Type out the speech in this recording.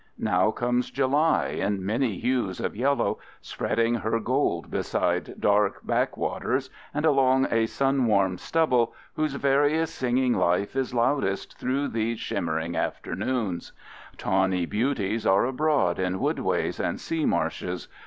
Now comes July in many hues of yellow, spreading her gold beside dark, hidden beaver backwaters and along the sun warmed stubble, whose various, singing life is loudest through these shimmering afternoons. Tawny beauties are abroad in woodways and sea marshes.